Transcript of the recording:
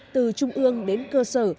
từ trung ương đến cơ sở